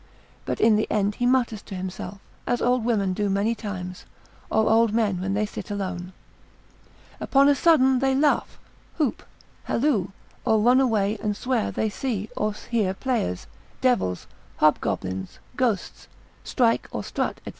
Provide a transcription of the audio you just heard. but in the end he mutters to himself, as old women do many times, or old men when they sit alone, upon a sudden they laugh, whoop, halloo, or run away, and swear they see or hear players, devils, hobgoblins, ghosts, strike, or strut, &c.